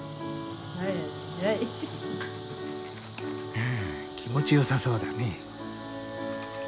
ああ気持ちよさそうだね。